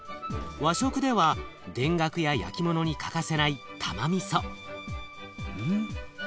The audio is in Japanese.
和食では田楽や焼き物に欠かせないたまみそ。